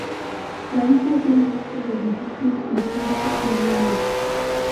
La isla tiene muchos edificios históricos y ruinas.